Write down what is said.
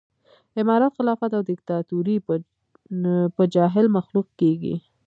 امارت خلافت او ديکتاتوري به جاهل مخلوق کېږي